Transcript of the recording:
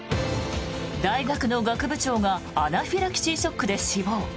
大学の学部長がアナフィラキシーショックで死亡。